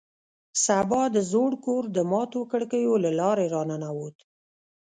سبا د زوړ کور د ماتو کړکیو له لارې راننوت